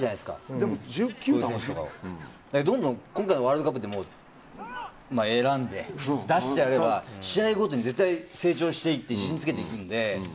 でも１９の選手とかどんどん今回のワールドカップで選んで出してやれば試合ごとに絶対成長していって自信をつけていくので。